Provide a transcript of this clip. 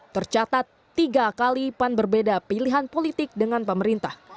tercatat tiga kali pan berbeda pilihan politik dengan pemerintah